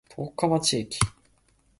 十日町駅